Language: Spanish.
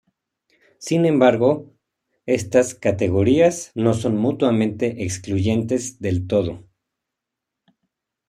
Sin embargo, estas categorías no son mutuamente excluyentes del todo.